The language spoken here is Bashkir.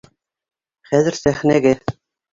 Хәҙер сәхнәгә.